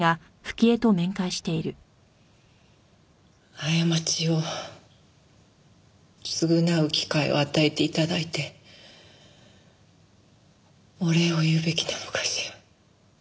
過ちを償う機会を与えて頂いてお礼を言うべきなのかしら？